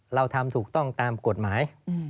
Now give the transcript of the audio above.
เราทำถูกต้องตามกฎหมาย